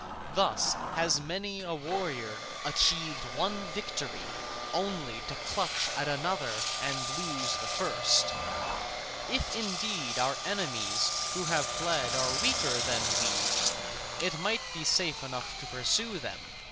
Thus has many a warrior achieved one victory only to clutch at another and lose the first. If indeed, our enemies who have fled were weaker than we, it might be safe enough to pursue them.